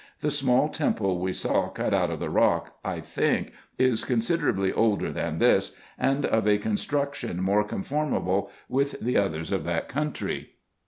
The small temple we saw cut out of the rock, I think, is considerably older than this, and of a construction more conform able with the others of that country.